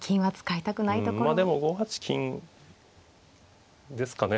うんまあでも５八金ですかね。